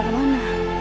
kanda mau kemana